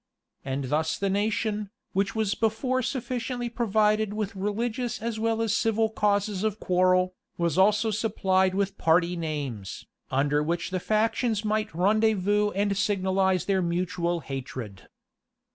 And thus the nation, which was before sufficiently provided with religious as well as civil causes of quarrel, was also supplied with party names, under which the factions might rendezvous and signalize their mutual hatred.